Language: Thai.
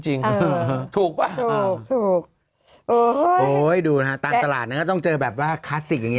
ถูกป่ะถูกโอ้ยดูนะฮะตามตลาดนะฮะต้องเจอแบบว่าคลาสสิกอย่างนี้